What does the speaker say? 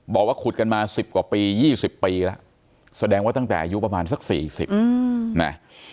บอกว่าขุดกันมา๑๐กว่าปี๒๐ปีแล้วแสดงว่าตั้งแต่อายุประมาณสัก๔๐นะ